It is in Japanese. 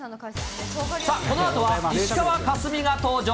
このあとは石川佳純が登場。